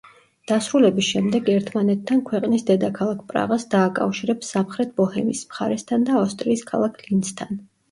დასრულების შემდეგ ერთმანეთთან ქვეყნის დედაქალაქ პრაღას დააკავშირებს სამხრეთ ბოჰემიის მხარესთან და ავსტრიის ქალაქ ლინცთან.